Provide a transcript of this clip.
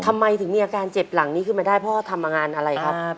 ทำไมถึงมีอาการเจ็บหลังนี้ขึ้นมาได้พ่อทำงานอะไรครับ